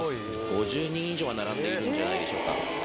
５０人以上は並んでいるんじゃないでしょうか。